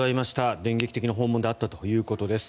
電撃的な訪問であったということです。